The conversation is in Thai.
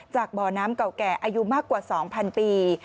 บ่อน้ำเก่าแก่อายุมากกว่า๒๐๐ปี